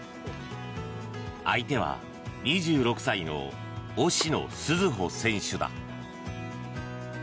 相手は２６歳の押野紗穂選手だ。